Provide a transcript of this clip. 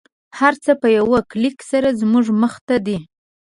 هر څه په یوه کلیک سره زموږ مخته دی